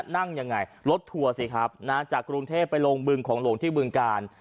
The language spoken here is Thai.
นั่งยังไงรถทัวร์สิครับจากกรุงเทพไปลงบึงของหลวงที่บึงกาล